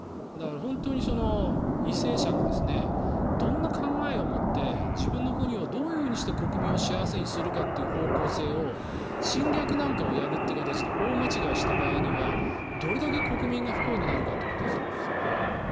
本当に為政者がどんな考えを持って自分の国をどういうふうにして国民を幸せにするかという方向性を侵略なんかをやるという形で大間違いした場合にはどれだけ国民が不幸になるかということだと思います。